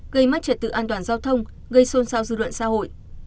gây mất trật tự an toàn giao thông gây xôn xao dư luận xã hội